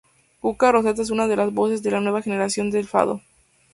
Cuca Roseta es una de las voces de la nueva generación del Fado.